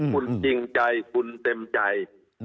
คุณจริงใจคุณเต็มใจ